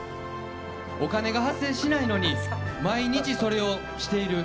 お金が発生しないのに毎日それをしている。